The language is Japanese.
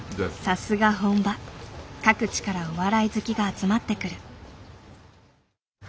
さすが本場各地からお笑い好きが集まってくる。